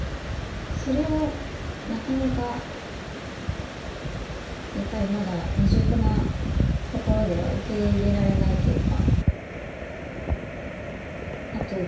それをなかなかやっぱりまだ未熟な心では受け入れられないっていうか